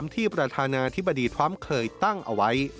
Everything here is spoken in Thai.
ที่ประธานาธิบดีทรัมป์เคยตั้งเอาไว้